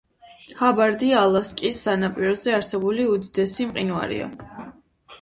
ჰაბარდი ალასკის სანაპიროზე არსებული უდიდესი მყინვარია.